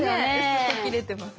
薄く切れてます。